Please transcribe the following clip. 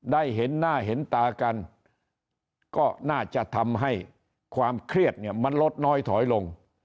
ได้เห็นหน้าเห็นตากันก็น่าจะทำให้ความเครียดเนี่ยมันลดน้อยถอยลง